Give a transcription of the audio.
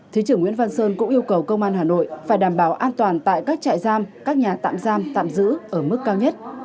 thứ trưởng nguyễn văn sơn cũng yêu cầu công an hà nội phải đảm bảo an toàn tại các trại giam các nhà tạm giam tạm giữ ở mức cao nhất